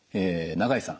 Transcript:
永井さん